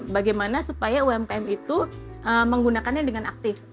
bagaimana supaya umkm itu menggunakannya dengan aktif